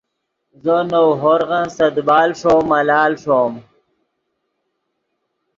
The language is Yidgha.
زو نؤ ہورغن سے دیبال ݰوم ملال ݰوم